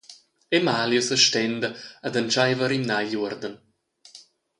Emalio sestenda ed entscheiva a rimnar igl uorden.